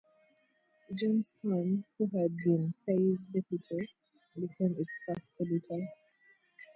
John Stern, who had been Fay's deputy, became its first editor.